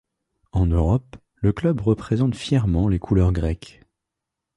En Europe, le club représente fièrement les couleurs grecques.